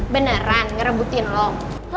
beneran ngerebutin lo